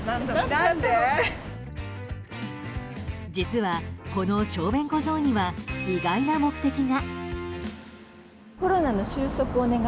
実は、この小便小僧には意外な目的が。